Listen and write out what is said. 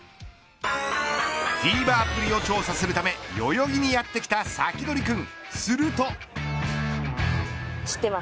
フィーバーっぷりを調査するため代々木にやって来たサキドリくん。